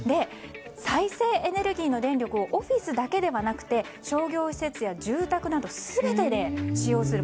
再生エネルギーの電力をオフィスだけではなくて商業施設や住宅など全てで使用する。